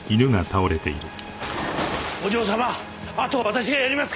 お嬢様あとは私がやりますから。